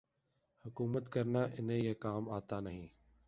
حکومت کرنا انہیں یہ کام آتا نہیں۔